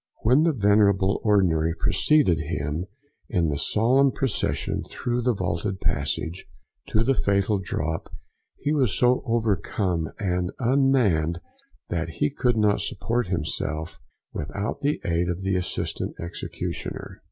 When the venerable ordinary preceded him in the solemn procession through the vaulted passage to the fatal drop, he was so overcome and unmanned, that he could not support himself without the aid of the assistant executioner.